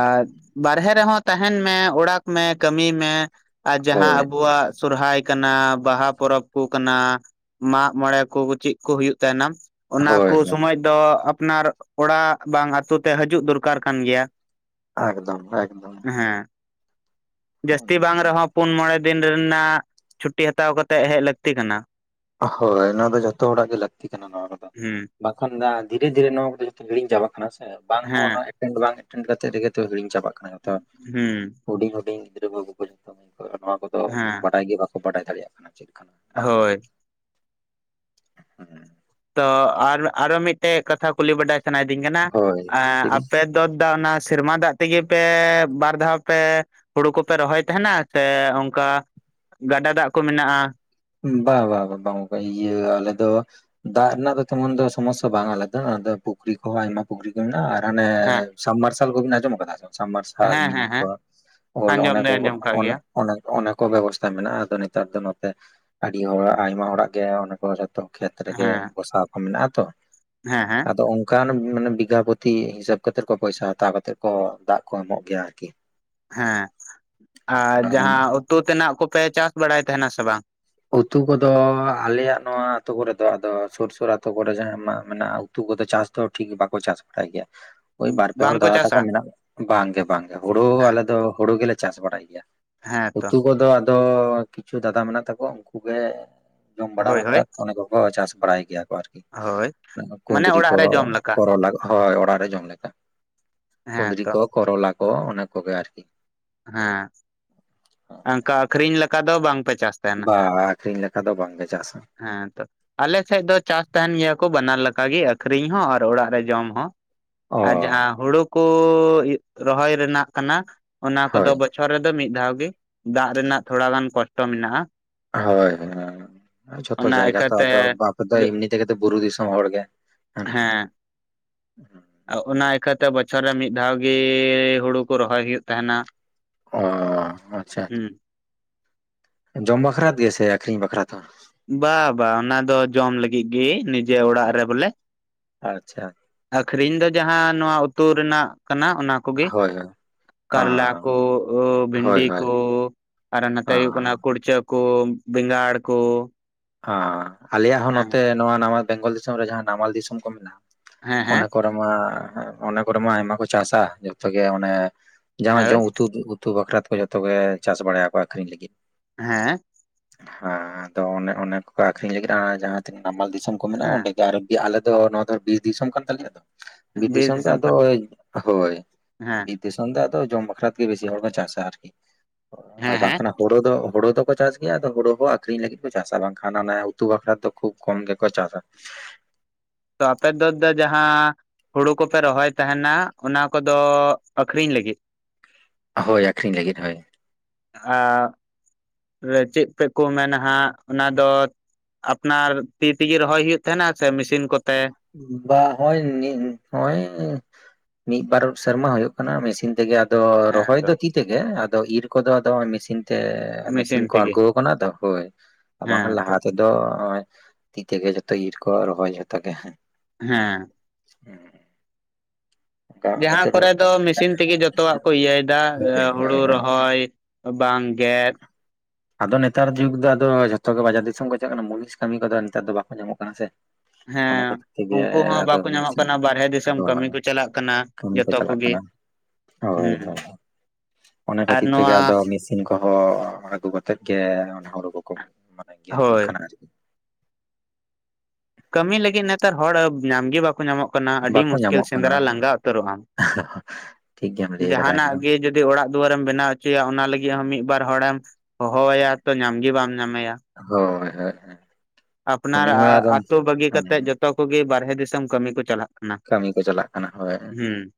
ᱟᱨ ᱵᱟᱨᱦᱮ ᱨᱮᱦᱚᱸ ᱛᱟᱦᱮᱸᱱ ᱢᱮ ᱚᱲᱟᱜ ᱢᱮ ᱠᱟᱹᱢᱤ ᱢᱮ ᱟᱨ ᱡᱟᱦᱟᱸ ᱦᱳᱭ ᱟᱵᱚᱣᱟᱜ ᱥᱚᱨᱦᱟᱭ ᱠᱟᱱᱟ ᱵᱟᱦᱟ ᱯᱚᱨᱚᱵᱽ ᱠᱚ ᱠᱟᱱᱟ ᱢᱟᱜ ᱢᱚᱬᱮ ᱠᱚ ᱪᱮᱫ ᱠᱚ ᱦᱩᱭᱩᱜ ᱛᱟᱦᱮᱸᱱᱟ ᱦᱳᱭ ᱚᱱᱟᱠᱚ ᱥᱚᱢᱚᱭ ᱫᱚ ᱟᱯᱱᱟᱨ ᱚᱲᱟᱜ ᱵᱟᱝ ᱟᱛᱳ ᱛᱮ, ᱦᱤᱡᱩᱜ ᱫᱚᱨᱠᱟᱨ ᱠᱟᱱ ᱜᱮᱭᱟ᱾ ᱮᱠᱫᱚᱢ ᱮᱠᱫᱚᱢ᱾ ᱦᱮᱸ ᱡᱟᱹᱥᱛᱤ ᱵᱟᱝ ᱨᱮᱸᱦᱚ ᱯᱩᱱ ᱢᱚᱬᱮ ᱫᱤᱱ ᱨᱮᱱᱟᱜ ᱪᱷᱩᱴᱤ ᱦᱟᱛᱟᱣ ᱠᱟᱛᱮᱜ ᱦᱮᱡ ᱞᱟᱹᱠᱛᱤ ᱠᱟᱱᱟ᱾ ᱦᱳᱭ ᱚᱱᱟ ᱫᱚ ᱡᱷᱚᱛᱚ ᱦᱚᱲᱟᱜ ᱜᱮ ᱞᱟᱹᱠᱛᱤ ᱠᱟᱱᱟ ᱱᱚᱣᱟ ᱨᱮᱫᱚ᱾ ᱦᱩᱸ ᱵᱟᱝᱠᱷᱟᱱ ᱫᱷᱤᱨᱮ ᱫᱷᱤᱨᱮ ᱱᱚᱣᱟ ᱠᱚᱫᱚ ᱡᱚᱛᱚ ᱦᱤᱲᱤᱧ ᱪᱟᱵᱟᱜ ᱠᱟᱱᱟ ᱥᱮ, ᱵᱟᱝ ᱦᱮᱸ ᱦᱚᱸ ᱮ ᱢᱤᱫᱴᱷᱮᱱ ᱵᱟᱝ ᱢᱮᱫᱴᱷᱮᱱ ᱠᱟᱛᱮ ᱨᱮᱜᱮ ᱛᱚ ᱦᱤᱲᱤᱧ ᱪᱟᱵᱟᱜ ᱠᱟᱱᱟ ᱛᱚ ᱡᱷᱚᱛᱚ᱾ ᱦᱩᱸ ᱦᱩᱰᱤᱧ ᱦᱩᱰᱤᱧ ᱜᱤᱫᱽᱨᱟᱹ ᱵᱟᱹᱵᱩ ᱠᱚ ᱡᱚᱛᱚᱠ ᱱᱚᱣᱟ ᱠᱚᱫᱚ ᱦᱮᱸ ᱵᱟᱰᱟᱭ ᱜᱮ ᱵᱟᱠᱚ ᱵᱟᱰᱟᱭ ᱫᱟᱲᱮᱭᱟᱜ ᱠᱟᱱᱟ ᱪᱮᱫ ᱾ ᱵᱟᱝ ᱠᱟᱱᱟ ᱦᱳᱭ [unintelligible] ᱦᱮᱸ ᱛᱚ ᱟᱨ ᱟᱨᱚ ᱢᱤᱫᱴᱮᱡ ᱠᱟᱛᱷᱟ ᱠᱩᱞᱤ ᱵᱟᱰᱟᱭ ᱥᱟᱱᱟᱭᱤᱫᱤᱧ ᱠᱟᱱᱟ ᱦᱳᱭ ᱞᱟᱹᱭᱵᱤᱱ ᱟᱯᱮ [unintelligible] ᱫᱟ ᱚᱱᱟ ᱥᱮᱨᱢᱟ ᱫᱟᱜ ᱛᱮᱜᱮ ᱯᱮ ᱵᱟᱨ ᱫᱷᱟᱣ ᱯᱮ ᱦᱩᱲᱩ ᱠᱚᱯᱮ ᱨᱚᱦᱚᱭ ᱛᱟᱦᱮᱱᱟ ᱥᱮ ᱚᱱᱠᱟ ᱜᱟᱰᱟ ᱫᱟᱜ ᱠᱚ ᱢᱮᱱᱟᱜᱼᱟ ᱵᱟᱝ ᱵᱟᱝ ᱵᱟᱝ ᱤᱭᱟᱹ ᱟᱞᱮ ᱫᱚ ᱫᱟᱜ ᱨᱮᱱᱟᱜ ᱫᱚ ᱛᱮᱢᱚᱱ ᱫᱚ ᱥᱚᱢᱚᱥᱥᱟ ᱵᱟᱝ ᱟᱞᱮ ᱫᱚ ᱟᱫᱚ ᱯᱩᱠᱷᱨᱤ ᱠᱚᱦᱚᱸ ᱟᱭᱢᱟ ᱯᱩᱠᱷᱨᱤ ᱠᱚ ᱢᱮᱱᱟᱜᱼᱟ ᱟᱨ ᱟᱱᱮ ᱦᱮᱸ ᱥᱟᱵᱢᱟᱨᱥᱟᱞ ᱠᱚᱵᱤᱱ ᱟᱸᱡᱚᱢ ᱟᱠᱟᱫᱟ ᱥᱮ ᱵᱟᱝ? ᱥᱟᱢᱟᱨᱥᱟᱞ ᱦᱮᱸ ᱦᱮᱸ ᱢᱤᱱᱤ ᱦᱮᱸ ᱠᱚ ᱚᱭ ᱟᱸᱡᱚᱢ ᱚᱱᱮ ᱠᱚ ᱫᱚᱧ ᱟᱸᱡᱚᱢ ᱠᱟᱜ ᱚᱱᱮ ᱜᱮᱭᱟ ᱚᱱᱮ ᱠᱚ ᱵᱮᱵᱚᱥᱛᱟ ᱢᱮᱱᱟᱜᱼᱟ ᱟᱫᱚ ᱱᱮᱛᱟᱨ ᱫᱚ ᱱᱚᱛᱮ ᱟᱹᱰᱤ ᱦᱚᱲ ᱟᱭᱢᱟ ᱦᱚᱲᱟᱜ ᱜᱮ ᱛᱚ ᱠᱷᱮᱛ ᱨᱮᱜᱮ ᱦᱮᱸ ᱜᱚᱥᱟᱣ ᱠᱚ ᱢᱮᱱᱟᱜᱼᱟ ᱛᱚ ᱦᱮᱸ ᱦᱮᱸ ᱟᱫᱚ ᱚᱱᱠᱟᱱ ᱢᱟᱱᱮ ᱵᱤᱜᱷᱟ ᱯᱚᱛᱤ ᱦᱤᱥᱟᱹᱵ ᱠᱟᱛᱮᱫ ᱠᱚ ᱯᱚᱭᱥᱟ ᱦᱟᱛᱟᱣ ᱠᱟᱛᱮᱫ ᱠᱚ ᱫᱟᱜ ᱠᱚ ᱮᱢᱚᱜ ᱜᱮᱭᱟ ᱟᱨᱠᱤ ᱾ ᱦᱮᱸ ᱟᱨ ᱡᱟᱦᱟᱸ ᱩᱛᱩ ᱛᱮᱱᱟᱜ ᱠᱚᱯᱮ ᱪᱟᱥ ᱵᱟᱲᱟᱭ ᱛᱟᱦᱮᱱᱟ ᱥᱮ ᱵᱟᱝ? ᱩᱛᱩ ᱠᱚᱫᱚ ᱟᱞᱮᱭᱟᱜ ᱱᱚᱣᱟ ᱟᱹᱛᱩ ᱠᱚᱨᱮ ᱫᱚ ᱟᱫᱚ ᱥᱩᱨ ᱥᱩᱨ ᱟᱹᱛᱩ ᱠᱚᱨᱮ ᱡᱟᱦᱟᱸ ᱢᱮᱱᱟᱜᱼᱟ ᱾ ᱩᱛᱩ ᱠᱚᱫᱚ ᱪᱟᱥ ᱫᱚ ᱴᱷᱤᱠ ᱵᱟᱠᱚ ᱪᱟᱥ ᱵᱟᱲᱟᱭ ᱜᱮᱭᱟ ᱾ [inaudible] ᱚᱭ ᱵᱟᱨ ᱯᱮ ᱦᱚᱲ ᱵᱟᱝᱠᱚ ᱫᱟᱫᱟ ᱛᱟᱠᱚ ᱪᱟᱥᱟ ᱢᱮᱱᱟᱜ ᱵᱟᱝ ᱜᱮ ᱵᱟᱝ ᱜᱮ ᱦᱩᱲᱩ ᱦᱮᱸ ᱟᱞᱮ ᱫᱚ ᱦᱩᱲᱩ ᱜᱮᱞᱮ ᱪᱟᱥ ᱵᱟᱲᱟᱭ ᱜᱮᱭᱟ ᱦᱮᱸ ᱾ ᱛᱚ ᱩᱛᱩ ᱠᱚᱫᱚ ᱟᱫᱚ ᱠᱤᱪᱷᱩ ᱫᱟᱫᱟ ᱢᱮᱱᱟᱜ ᱛᱟᱠᱚᱣᱟ ᱩᱱᱠᱩ ᱜᱮ ᱡᱚᱢ ᱵᱟᱲᱟ ᱦᱳᱭ ᱵᱟᱠᱷᱨᱟ ᱦᱳᱭ ᱠᱚᱠᱚ ᱪᱟᱥ ᱵᱟᱲᱟᱭ ᱜᱮᱭᱟ ᱠᱚ ᱟᱨᱠᱤ ᱦᱳᱭ ᱾ ᱢᱟᱱᱮ ᱠᱩᱱᱫᱽᱨᱤ ᱚᱲᱟᱜ ᱠᱚ ᱨᱮ ᱡᱚᱢ ᱞᱮᱠᱟ ᱠᱚᱨᱚᱞᱟ ᱦᱚᱭ ᱚᱲᱟᱜ ᱨᱮ ᱡᱚᱢ ᱞᱮᱠᱟ ᱦᱮᱸ ᱠᱩᱫᱽᱨᱤ ᱛᱚ ᱠᱚ ᱠᱚᱨᱚᱞᱟ ᱠᱚ ᱚᱱᱟ ᱠᱚᱜᱮ ᱟᱨᱠᱤ ᱾ ᱦᱮᱸ ᱚᱱᱠᱟ ᱟᱠᱷᱨᱤᱧ ᱞᱮᱠᱟ ᱫᱚ ᱵᱟᱝᱯᱮ ᱪᱟᱥᱫᱟ ᱵᱟ ᱟᱠᱷᱨᱤᱧ ᱞᱮᱠᱟᱷᱟ ᱫᱚ ᱵᱟᱝ ᱜᱮ ᱪᱟᱥᱟ ᱾ ᱦᱮᱸ ᱛᱚ ᱟᱞᱮ ᱥᱮᱫ ᱫᱚ ᱪᱟᱥ ᱛᱟᱦᱮᱱ ᱜᱮᱭᱟ ᱠᱚ ᱵᱟᱱᱟᱨ ᱞᱮᱠᱟᱜ ᱜᱮ ᱟᱠᱷᱨᱤᱧ ᱦᱚᱸ ᱟᱨ ᱚᱲᱟᱜ ᱨᱮ ᱡᱚᱢ ᱦᱚᱸ ᱾ ᱟᱨ ᱚ ᱡᱟᱦᱟᱸ ᱦᱩᱲᱩ ᱠᱚ ᱨᱚᱦᱚ‌‌ᱭ ᱨᱮᱱᱟᱜ ᱠᱟᱱᱟ ᱚᱱᱟ ᱠᱚᱫᱚ ᱦᱳᱭ ᱵᱚᱪᱷᱚᱨ ᱨᱮᱫᱚ ᱢᱤᱫ ᱫᱷᱟᱣ ᱜᱮ ᱫᱟᱜ ᱨᱮᱱᱟᱜ ᱛᱷᱚᱲᱟ ᱜᱟᱱ ᱠᱚᱥᱴᱚ ᱢᱮᱱᱟᱜᱼᱟ ᱾ ᱦᱚᱭ ᱡᱷᱚᱛᱚ ᱚᱱᱟ ᱡᱟᱭᱜᱟ ᱛᱚ ᱤᱠᱷᱟᱹᱛᱮ ᱟᱫᱚ ᱵᱟᱯᱮ ᱫᱚ ᱮᱢᱱᱤ ᱛᱮᱜᱮᱚ ᱵᱩᱨᱩ ᱫᱤᱥᱚᱢ ᱦᱚᱲᱜ ᱦ ᱦᱮᱸ [inaudible] ᱚᱱᱟ ᱤᱠᱷᱟᱹᱛᱮ ᱵᱚᱪᱷᱚᱨ ᱨᱮ ᱢᱤᱫ ᱫᱷᱟᱣ ᱜᱮ ᱦᱩᱲᱩ ᱠᱚ ᱨᱚᱦᱚᱭ ᱦᱩᱭᱩᱜ ᱛᱟᱦᱮᱱᱟ ᱾ ᱚ ᱟᱪᱪᱷᱟ [inaudible] ᱡᱚᱢ ᱵᱟᱠᱷᱨᱟ ᱛᱮ ᱜᱮ ᱥᱮ ᱟᱠᱷᱨᱤᱧ ᱵᱟᱠᱷᱨᱟ ᱛᱮ ᱦᱚᱸ? ᱵᱟ ᱵᱟᱝ ᱚᱱᱟ ᱫᱚ ᱡᱚᱢ ᱞᱟᱹᱜᱤᱫ ᱜᱮ ᱱᱤᱡᱮ ᱚᱲᱟᱜ ᱨᱮ ᱵᱚᱞᱮ ᱾ ᱟᱪᱪᱷᱟ ᱟᱠᱷᱨᱤᱧ ᱫᱚ ᱡᱟᱦᱟᱸ ᱱᱚᱣᱟ ᱩᱛᱩ ᱨᱮᱱᱟᱜ ᱠᱟᱱᱟ ᱚᱱᱟ ᱠᱚᱜᱮ ᱦᱟᱭ ᱦᱚᱭ ᱠᱟᱨᱞᱟ ᱠᱚ ᱵᱷᱤᱱᱰᱤ ᱦᱳᱭ ᱠᱚ ᱟᱨᱚ ᱱᱚᱛᱮ ᱚ ᱦᱩᱭᱩᱜ ᱠᱟᱱᱟ ᱠᱩᱲᱪᱟᱹ ᱠᱚ ᱵᱮᱸᱜᱟᱲ ᱠᱚ ᱾ ᱟᱞᱮᱭᱟᱜ ᱦᱚᱸ ᱱᱚᱛᱮ ᱱᱚᱣᱟ ᱱᱟᱢᱟᱞ ᱵᱮᱝᱜᱚᱞ ᱫᱤᱥᱚᱢ ᱨᱮ ᱡᱟᱦᱟᱸ ᱱᱟᱢᱟᱞ ᱫᱤᱥᱚᱢ ᱠᱚ ᱢᱮᱱᱟᱜᱼᱟ ᱦᱮᱸ ᱚᱱᱟ ᱦᱮᱸ ᱠᱚ ᱚᱱᱟ ᱚᱱᱮ ᱠᱚᱨᱮᱢᱟ ᱟᱭᱢᱟ ᱠᱚ ᱪᱟᱥᱟ ᱡᱚᱛᱚ ᱜᱮ ᱚᱱᱮ ᱡᱟ ᱦᱳᱭ [unintelligible] ᱩᱛᱩ ᱛᱩ ᱵᱟᱠᱷᱨᱟ ᱠᱚ ᱡᱚᱛᱚ ᱜᱮ ᱪᱟᱥ ᱵᱟᱲᱟᱭᱟᱠᱚ ᱟᱠᱠᱷᱨᱤᱧ ᱞᱟᱹᱜᱤᱫ᱾ ᱦᱮᱸ ᱦᱮᱸ ᱟᱫᱚ ᱚᱱᱮ ᱚᱱᱮ ᱠᱚᱠᱚ ᱟᱹᱠᱷᱨᱤᱧ ᱞᱟᱹᱜᱤᱫ ᱡᱟᱦᱟᱸ ᱛᱤᱱᱟᱹᱜ ᱱᱟᱢᱟᱞ ᱫᱤᱥᱚᱢ ᱠᱚ ᱢᱮᱱᱟᱜᱼᱟ ᱦᱮᱸ ᱚᱸᱰᱮᱜᱮ ᱟᱨᱚ ᱟᱞᱮ ᱫᱚ ᱱᱚᱣᱟ ᱫᱚ ᱵᱤᱨ ᱫᱤᱥᱚᱢ ᱠᱟᱱ ᱛᱟᱞᱮᱭᱟ ᱫᱚ ᱵᱤᱨ ᱫᱮᱥᱚᱱ ᱫᱚ ᱫᱤᱥᱚᱢ ᱟᱫᱚ ᱠᱟᱱᱟ ᱦᱚᱭ ᱦᱮᱸ ᱫᱤᱥᱚᱢ ᱫᱚ ᱟᱫᱚ ᱡᱚᱢ ᱵᱟᱠᱷᱨᱟ ᱛᱮᱜᱮ ᱵᱮᱥᱤ ᱦᱚᱲ ᱠᱚ ᱪᱟᱥᱟ ᱟᱨᱠᱤ ᱟᱨ ᱦᱮᱸ ᱦᱮᱸ ᱵᱟᱝᱠᱷᱟᱱ ᱦᱳᱲᱳ ᱫᱚ ᱦᱳᱲᱳ ᱫᱚᱠᱚ ᱪᱟᱥ ᱜᱮ ᱟᱫᱚ ᱦᱩᱲᱩ ᱠᱚᱦᱚᱸ ᱟᱠᱷᱨᱤᱧ ᱞᱟᱹᱜᱤᱫ ᱠᱚ ᱪᱟᱥᱟ ᱵᱟᱝ ᱦᱟᱱᱟ ᱱᱚᱣᱟ ᱩᱛᱩ ᱵᱟᱠᱷᱨᱟ ᱫᱚ ᱠᱷᱩᱵ ᱠᱚᱢ ᱜᱮᱠᱚ ᱪᱟᱥᱟ ᱾ ᱛᱚ ᱟᱯᱮ ᱫᱚ ᱫᱚ ᱡᱟᱦᱟᱸ ᱦᱩᱲᱩ ᱠᱚᱯᱮ ᱨᱚᱦᱚᱭ ᱛᱟᱦᱮᱱᱟ ᱚᱱᱟ ᱠᱚᱫᱚ ᱟᱹᱠᱠᱷᱨᱤᱧ ᱞᱟᱹᱜᱤᱫ ᱾ ᱦᱚᱭ ᱟᱹᱠᱷᱨᱤᱧ ᱞᱟᱹᱜᱤᱫ ᱦᱚᱭ ᱾ ᱟᱻ ᱪᱮᱫ ᱛᱮᱠᱚ ᱢᱮᱱᱟ ᱦᱟᱸᱜ ᱚᱱᱟ ᱫᱚ ᱟᱯᱱᱟᱨ ᱛᱤ ᱛᱮᱜᱮ ᱨᱚᱦᱚᱭ ᱦᱩᱭᱩᱜ ᱛᱟᱦᱮᱱᱟ ᱥᱮ ᱢᱮᱥᱤᱱ ᱠᱚᱛᱮ? ᱵᱟ ᱦᱚ ᱱᱤ ᱦᱚᱭ ᱢᱤᱫ ᱵᱟᱨ ᱥᱮᱨᱢᱟᱳᱭᱳᱜ ᱠᱟᱱᱟ ᱢᱮᱥᱤᱱ ᱛᱮᱜᱮ, ᱟᱫᱚ ᱦᱮᱸ ᱨᱚᱦᱚᱭ ᱛᱚ ᱫᱚ ᱛᱤ ᱛᱮᱜᱮ ᱟᱫᱚ ᱤᱨ ᱠᱚᱫᱚ ᱟᱫᱚᱜ ᱢᱮᱥᱤᱱ ᱛᱮ, ᱢᱮᱥᱤᱱ ᱠᱚ ᱟᱬᱜᱚ ᱟᱠᱟᱱᱟ ᱛᱚ ᱦᱳᱭ ᱵᱟᱝᱠᱷᱟᱱ ᱞᱟᱦᱟᱛᱮ ᱛᱚ ᱛᱤ ᱛᱮᱜᱮ ᱡᱚᱛᱚ ᱤᱨ ᱠᱚ ᱨᱚᱦᱚᱭ ᱡᱚᱛᱚ ᱜᱮ ᱦᱮᱸ᱾ ᱦᱮᱸ ᱦᱮᱸ ᱡᱟᱦᱟᱸ ᱠᱚᱨᱮ ᱫᱚ ᱢᱮᱥᱤᱱ ᱛᱮᱜᱮ ᱡᱚᱛᱚᱣᱟᱜ ᱢᱮᱥᱤᱱ ᱠᱚ ᱤᱭᱟᱹᱭᱮᱫᱟ ᱦᱳᱭ ᱦᱩᱲᱩ ᱦᱳᱭ ᱨᱚᱦᱚᱭ ᱵᱟᱝ ᱜᱮᱫ᱾ ᱟᱫᱚ ᱱᱮᱛᱟᱨ ᱡᱩᱜᱽ ᱫᱚᱫᱚ ᱡᱷᱚᱛᱚ ᱜᱮ ᱵᱟᱡᱟᱨ ᱫᱤᱥᱚᱢ ᱠᱚ ᱪᱟᱞᱟᱜ ᱠᱟᱱᱟ ᱢᱩᱞᱤᱥ ᱠᱟᱹᱢᱤ ᱠᱚᱫᱚ ᱱᱮᱛᱟᱨ ᱫᱚ ᱵᱟᱠᱚ ᱧᱟᱢᱚᱜ ᱠᱟᱱᱟ ᱥᱮ᱾ ᱚᱱᱟ ᱦᱮᱸ ᱠᱷᱟᱹᱛᱤᱨ ᱛᱮᱜᱮ ᱩᱱᱠᱩ ᱦᱚᱸ ᱟᱫᱚ ᱵᱟᱠᱚ ᱧᱟᱢᱚᱜ ᱢᱮᱥᱤᱱ ᱠᱟᱱᱟ ᱵᱟᱨᱦᱮ ᱫᱤᱥᱚᱢ ᱦᱳ ᱠᱟᱹᱢᱤ ᱠᱚ ᱪᱟᱞᱟᱜ ᱠᱟᱱᱟ ᱠᱟᱹᱢᱤ ᱠᱚ ᱡᱚᱛᱚ ᱪᱟᱞᱟᱜ ᱠᱚᱜᱮ ᱠᱟᱱᱟ ᱦᱳᱭ ᱦᱩᱸ ᱦᱳᱭ᱾ ᱚᱱᱟ ᱟᱨ ᱠᱷᱟᱹᱛᱤᱨ ᱛᱮᱜᱮ ᱱᱚᱣᱟ ᱟᱫᱚ ᱢᱮᱥᱤᱱ ᱠᱚᱦᱚᱸ ᱟᱹᱜᱩ ᱠᱟᱛᱮᱜ ᱜᱮ ᱦᱩᱲᱩ ᱠᱚ ᱠᱚ ᱢᱟᱱᱮ ᱜᱮᱨ ᱦᱩᱭᱩᱜ ᱦᱳᱭ ᱠᱟᱱᱟ ᱟᱨᱠᱤ᱾ ᱠᱟᱹᱢᱤ ᱞᱟᱹᱜᱤᱫ ᱱᱮᱛᱟᱨ ᱦᱚᱲ ᱧᱟᱢ ᱜᱮ ᱵᱟᱠᱚ ᱧᱟᱢᱚᱜ ᱠᱟᱱᱟ ᱟᱹᱰᱤ ᱵᱟᱠᱚ ᱢᱩᱥᱠᱤᱞ ᱧᱟᱢᱚᱜ ᱠᱟᱱᱟ ᱥᱮᱸᱫᱽᱨᱟ ᱞᱟᱸᱜᱟ ᱩᱛᱟᱹᱨᱚᱜᱼᱟ ᱴᱷᱤᱠ ᱜᱮᱢ ᱞᱟᱹᱭ ᱠᱟᱫᱟ ᱡᱟᱦᱟᱱᱟᱜ ᱮᱠᱫᱚᱢ ᱜᱮ ᱡᱚ ᱡᱩᱫᱤ ᱚᱲᱟᱜ ᱫᱩᱣᱟᱹᱨᱮᱢ ᱵᱮᱱᱟᱣ ᱦᱚᱪᱚᱭᱟ ᱚᱱᱟ ᱞᱟᱹᱜᱤᱫ ᱦᱚᱸ ᱢᱤᱫ ᱵᱟᱨ ᱦᱚᱲᱮᱢ ᱦᱚᱦᱚᱣᱟᱭᱟ ᱛᱚ ᱧᱟᱢ ᱜᱮ ᱵᱟᱢ ᱧᱟᱢᱮᱭᱟ᱾ ᱦᱳᱭ ᱦᱳᱭ᱾ ᱟᱯᱱᱟᱨ ᱩᱱᱤ ᱦᱚᱸ ᱟᱫᱚ ᱟᱹᱛᱩᱳ ᱵᱟᱹᱜᱤ ᱠᱟᱛᱮᱫ ᱦᱮᱸ ᱡᱚᱛᱚ ᱠᱚᱜᱤ ᱵᱟᱨᱦᱮ ᱫᱤᱥ ᱫᱤᱥᱚᱢ ᱠᱟᱹᱢᱤ ᱠᱚ ᱪᱟᱞᱟᱜ ᱠᱟᱱᱟ ᱠᱟᱹᱢᱤ ᱠᱚ ᱪᱟᱞᱟᱜ ᱠᱟᱱᱟ ᱦᱳᱭ᱾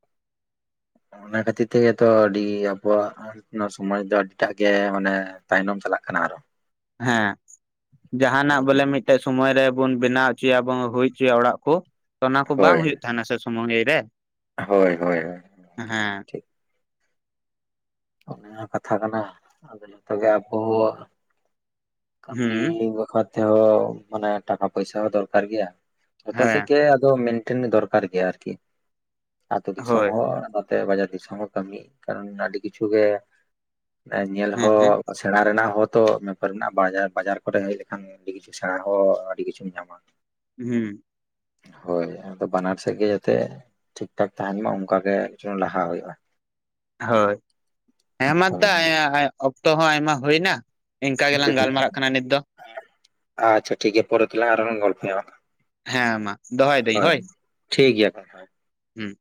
[inaudible] ᱚᱱᱟ ᱠᱷᱟᱹᱛᱤᱨ ᱛᱮᱜᱮ ᱛᱚ ᱟᱹᱰᱤ ᱟᱵᱚᱣᱟᱜ ᱱᱚᱣᱟ ᱥᱚᱢᱚᱭ ᱫᱚ ᱟᱹᱰᱤᱴᱟᱜ ᱜᱮ ᱢᱟᱱᱮ ᱛᱟᱭᱱᱚᱢ ᱪᱟᱞᱟᱜ ᱠᱟᱱᱟ ᱟᱨᱚ᱾ ᱦᱮᱸ ᱡᱟᱦᱟᱱᱟᱜ ᱵᱚᱞᱮ ᱢᱤᱫᱴᱮᱡ ᱥᱚᱢᱚᱭ ᱨᱮᱵᱚᱱ ᱵᱮᱱᱟᱣ ᱦᱚᱪᱚᱭᱟᱵᱚᱱ ᱦᱩᱭ ᱦᱚᱪᱚᱭᱟ ᱚᱲᱟᱜ ᱠᱚ᱾ ᱚᱱᱟ ᱠᱚ ᱵᱟᱝ ᱦᱩᱭᱩᱜ ᱛᱟᱦᱮᱱᱟ ᱥᱮ ᱥᱩᱢᱚᱭ ᱨᱮ᱾ ᱦᱳᱭ ᱦᱳᱭ ᱦᱳᱭ᱾ ᱦᱮᱸ ᱴᱷᱤᱠ ᱚᱱᱟ ᱦᱚᱸ ᱠᱟᱛᱷᱟ ᱠᱟᱱᱟ ᱟᱫᱚ ᱡᱚᱛᱚ ᱜᱮ ᱟᱵᱚ ᱦᱚᱸ ᱠᱟᱹᱢᱤ ᱦᱩᱸ ᱵᱟᱠᱷᱨᱟ ᱛᱮᱦᱚᱸ ᱢᱟᱱᱮ ᱴᱟᱠᱟ ᱯᱚᱭᱥᱟ ᱦᱚᱸ ᱫᱚᱨᱠᱟᱨ ᱜᱮᱭᱟ ᱡᱷᱚᱛᱚ ᱥᱮᱫ ᱦᱮᱸ ᱜᱮ ᱟᱫᱚ ᱢᱮᱱᱴᱮᱱ ᱫᱚᱨᱠᱟᱨ ᱜᱮᱭᱟ ᱟᱨᱠᱤ, ᱟᱛᱳ ᱫᱤᱥᱚᱢ ᱦᱳᱭ ᱦᱚᱸ ᱛᱮ ᱵᱟᱡᱟᱨ ᱫᱤᱥᱚᱢ ᱦᱚᱸ ᱠᱟᱹᱢᱤ ᱠᱟᱨᱚᱱ ᱟᱹᱰᱤ ᱠᱤᱪᱷᱩ ᱜᱮ ᱧᱮᱞ ᱦᱮᱸ ᱦᱚᱸ ᱦᱮᱸ ᱥᱮᱬᱟ ᱨᱮᱱᱟᱜ ᱦᱚᱸ ᱛᱚ ᱢᱮᱯᱟᱨ ᱦᱮᱱᱟᱜ-ᱟ, ᱵᱟ ᱵᱟᱡᱟᱨ ᱠᱚᱨᱮ ᱦᱮᱡ ᱞᱮᱠᱷᱟᱱ ᱜᱮ ᱟᱹᱰᱤ ᱠᱤᱪᱷᱩ ᱥᱮᱬᱟ ᱦᱚᱸ ᱟᱹᱰᱤ ᱠᱤᱪᱷᱩᱢ ᱧᱟᱢᱟ᱾ ᱦᱮᱸ ᱦᱳᱭ ᱟᱫᱚ ᱵᱟᱱᱟᱨ ᱥᱮᱫ ᱜᱮ ᱡᱟᱛᱮ ᱴᱷᱤᱠ ᱴᱷᱟᱠ ᱛᱟᱦᱮᱸᱱ ᱢᱟ ᱚᱱᱠᱟᱟᱜ ᱜᱮ ᱞᱟᱦᱟ ᱦᱩᱭᱩᱜᱼᱟ᱾ ᱦᱳᱭ ᱦᱮᱸ ᱢᱟᱫᱟ ᱦᱳᱭ ᱚᱠᱛᱚ ᱦᱚᱸ ᱟᱭᱢᱟ ᱦᱩᱭᱱᱟ᱾ ᱤᱱᱠᱟ ᱜᱮᱞᱟᱝ ᱜᱟᱞᱢᱟᱨᱟᱜ ᱠᱟᱱᱟ ᱱᱤᱛ ᱫᱚ᱾ ᱟᱪᱪᱷᱟ ᱴᱷᱤᱠ ᱜᱮᱭᱟ ᱯᱚᱨᱮᱛᱮ ᱞᱟᱝ ᱟᱨ ᱦᱚᱸ ᱞᱟᱝ ᱜᱚᱞᱯᱷᱚᱭᱟ᱾ ᱦᱮᱸ ᱢᱟ ᱫᱚᱦᱚᱭ ᱫᱟᱹᱧ ᱦᱳᱭ᱾ ᱴᱷᱤᱠ ᱜᱮᱭᱟ ᱛᱟᱦᱚᱞᱮ᱾ ᱦᱮᱸ